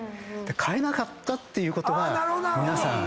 変えなかったっていうことは。